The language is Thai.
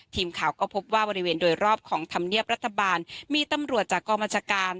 ทีมข่าวก็พบว่าบริเวณโดยรอบของธรรมเนียบรัฐบาลมีตำรวจจากกองบัญชาการ